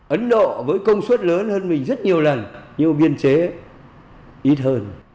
ấn độ với công suất lớn hơn mình rất nhiều lần nhưng biên chế ít hơn